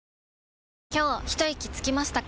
今日ひといきつきましたか？